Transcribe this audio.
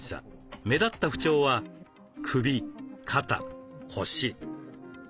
目立った不調は首肩腰。